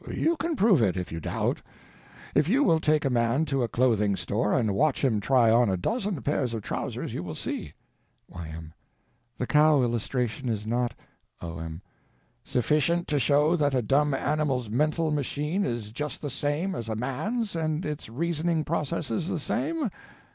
You can prove it, if you doubt. If you will take a man to a clothing store and watch him try on a dozen pairs of trousers, you will see. Y.M. The cow illustration is not— O.M. Sufficient to show that a dumb animal's mental machine is just the same as a man's and its reasoning processes the same?